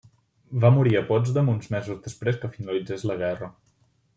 Va morir a Potsdam uns mesos després que finalitzés la guerra.